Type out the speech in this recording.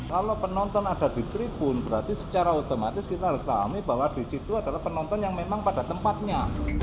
kalau penonton ada di tribun berarti secara otomatis kita harus pahami bahwa di situ adalah penonton yang memang pada tempatnya